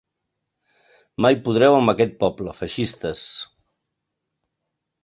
Mai podreu amb aquest poble, feixistes.